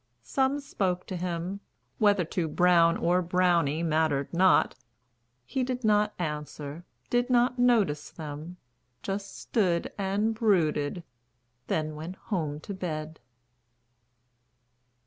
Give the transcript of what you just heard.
Some spoke to him; Whether to Brown or Brownie mattered not, He did not answer, did not notice them, Just stood and brooded.... Then went home to bed.